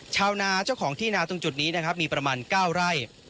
ชาวนาเจ้าของที่นาตรงจุดนี้นะครับมีประมาณ๙ไร่